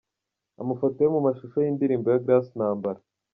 Amafoto yo mu mashusho y'indirimbo ya Grace Ntambara.